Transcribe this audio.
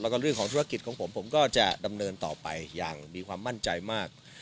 แล้วก็เรื่องของธุรกิจของผมผมก็จะดำเนินต่อไปอย่างมีความมั่นใจมาก